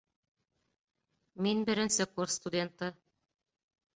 Мин беренсе курс студенты